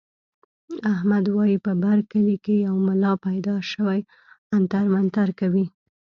احمد وايي په بر کلي کې یو ملا پیدا شوی عنتر منتر کوي.